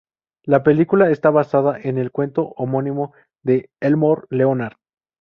La película está basada en el cuento homónimo de Elmore Leonard.